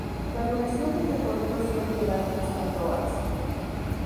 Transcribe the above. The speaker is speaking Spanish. La duración del recorrido suele durar unas cuatro horas.